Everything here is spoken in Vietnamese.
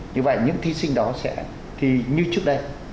như vậy những thí sinh đó sẽ thi như trước đây